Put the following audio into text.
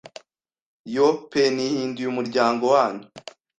Yoo pe nihinduye umuryango wanyu